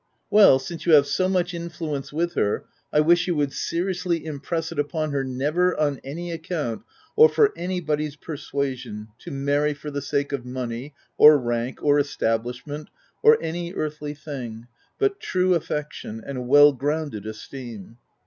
'* "Well, since you have so much influence with her, I wish you would seriously impress it upon her, never, on any account, or for any body's persuasion, to marry for the sake of money, or rank, or establishment, or any earthly thing, but true affection and well grounded esteem.